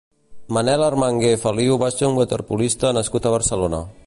Manel Armangué Feliu va ser un waterpolista nascut a Barcelona.